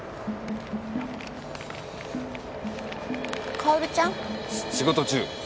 薫ちゃん？しっ仕事中。